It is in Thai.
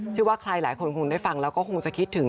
ว่าใครหลายคนคงได้ฟังแล้วก็คงจะคิดถึง